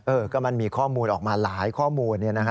เออก็มันมีข้อมูลออกมาหลายข้อมูล